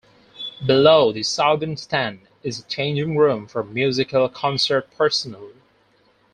Below the southern stand is a changing room for musical concert personnel.